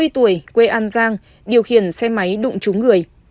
bốn mươi tuổi quê an giang điều khiển xe máy đụng chúng người